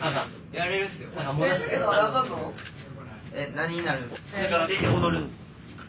何になるんすか？